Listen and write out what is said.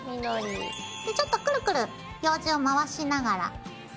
ちょっとクルクルようじを回しながら。